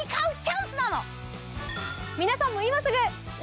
皆さんも今すぐ。